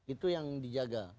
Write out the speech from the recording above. itu yang dijaga